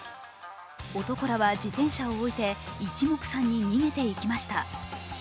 男らは自転車を置いて一目散に逃げていきました。